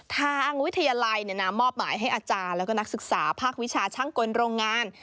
ทางวิทยาลัยมอบหมายให้อาจารย์แล้วก็นักศึกษาภาควิชาช่างกลโรงงาน